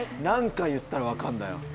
何回言ったらわかんだよ。